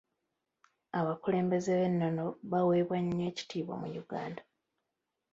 Abakulembeze b'ennono baweebwa nnyo ekitiibwa mu Uganda.